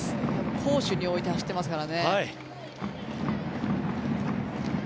攻守において走っていますからね。